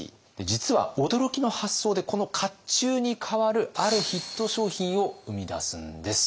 実は驚きの発想でこの甲冑に代わるあるヒット商品を生み出すんです。